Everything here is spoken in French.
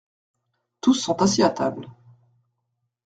Tous sont assis à table.